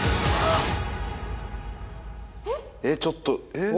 えっちょっとえっ？